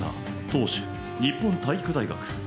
投手、日本体育大学。